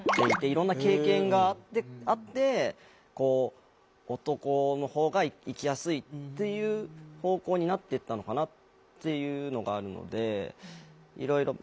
いろんな経験があってこう男の方が生きやすいっていう方向になっていったのかなっていうのがあるのでいろいろ。